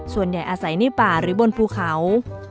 ส่วนใหญ่อาศัยในป่าหรือบนภูเขา